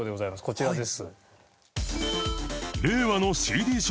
こちらです。